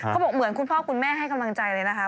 เขาบอกเหมือนคุณพ่อคุณแม่ให้กำลังใจเลยนะคะ